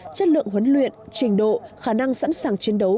chất lượng huấn luyện trình độ khả năng sẵn sàng chiến đấu